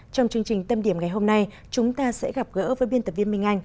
trong chương trình tâm điểm ngày hôm nay chúng ta sẽ gặp gỡ với biên tập viên minh anh